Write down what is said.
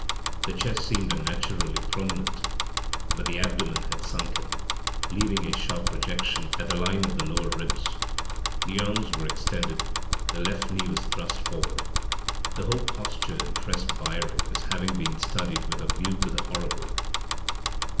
The chest seemed unnaturally prominent, but the abdomen had sunk in, leaving a sharp projection at the line of the lower ribs. The arms were extended, the left knee was thrust upward. The whole posture impressed Byring as having been studied with a view to the horrible.